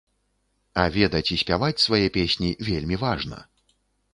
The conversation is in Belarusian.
А ведаць і спяваць свае песні вельмі важна.